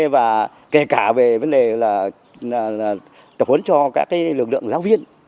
và kể cả về vấn đề là tập huấn cho các lực lượng giáo viên